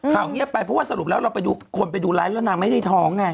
เงียบไปเพราะว่าสรุปแล้วเราไปดูคนไปดูไลฟ์แล้วนางไม่ได้ท้องไง